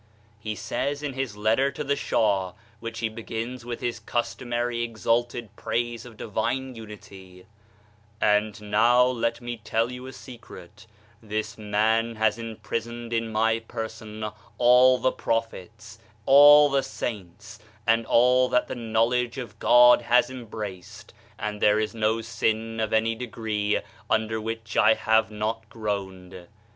" He says in his letter to the Shah, which he begins with his customary exalted praise of divine unity : "And now let me tell you a secret, this man has imprisoned in my person all the prophets, all the saints, and all that the knowledge of God has embraced, and there is no sin of any degree under which I have not groaned!"